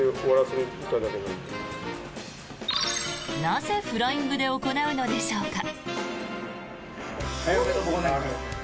なぜフライングで行うのでしょうか。